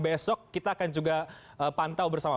besok kita akan juga pantau bersama